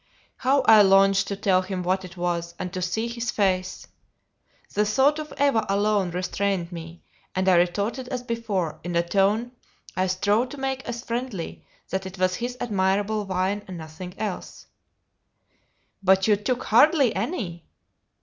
How I longed to tell him what it was, and to see his face! The thought of Eva alone restrained me, and I retorted as before, in a tone I strove to make as friendly, that it was his admirable wine and nothing else. "But you took hardly any."